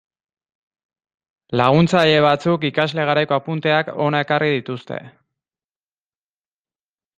Laguntzaile batzuk ikasle garaiko apunteak hona ekarri dituzte.